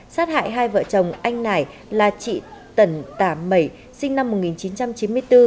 sát hại hai vợ chồng anh nải là chị tần tả mẩy sinh năm một nghìn chín trăm chín mươi bốn